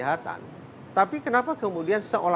hal ini tinggi sedot